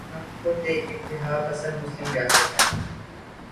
ہم خود ایک انتہا پسند مسلم ریاست ہیں۔